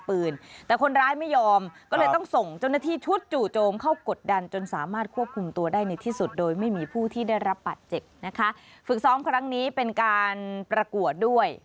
ฝึกซ้อมครั้งนี้เป็นการประกวดด้วย